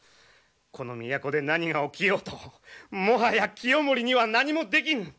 この都で何が起きようともはや清盛には何もできぬ。